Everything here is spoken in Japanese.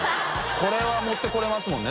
これは持って来れますもんね